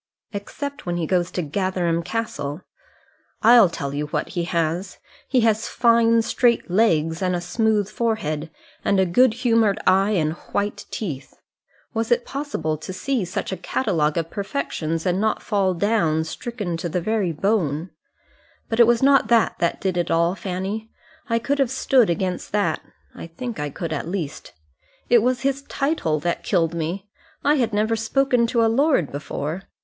"Except when he goes to Gatherum Castle. I'll tell you what he has: he has fine straight legs, and a smooth forehead, and a good humoured eye, and white teeth. Was it possible to see such a catalogue of perfections, and not fall down, stricken to the very bone? But it was not that that did it all, Fanny. I could have stood against that. I think I could at least. It was his title that killed me. I had never spoken to a lord before.